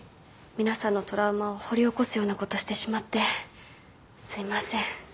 皆さんのトラウマを掘り起こすようなことしてしまってすいません。